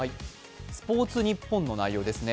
「スポーツニッポン」の内容ですね。